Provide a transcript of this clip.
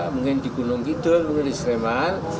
mungkin di gunung kidul mungkin di sleman